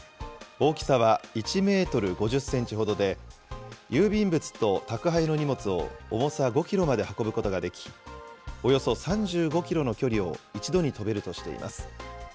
大きさは１メートル５０センチほどで、郵便物と宅配の荷物を重さ５キロまで運ぶことができ、およそ３５キロの距離を一度に飛べるとしています。